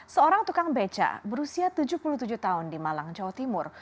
seorang tukang beca berusia tujuh puluh tujuh tahun di malang jawa timur